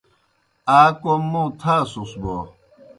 آ کوْم موں تھاسُس بوْ یا؟